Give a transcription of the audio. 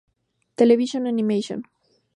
Television Animation.